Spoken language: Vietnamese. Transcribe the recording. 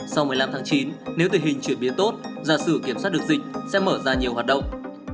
sau một mươi năm tháng chín nếu tình hình chuyển biến tốt gia xử kiểm soát được dịch sẽ mở ra nhiều hoạt động